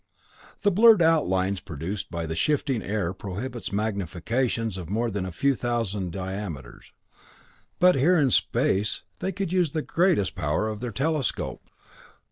The blurred outlines produced by the shifting air prohibits magnifications of more than a few hundred diameters, but here in space they could use the greatest power of their telescope.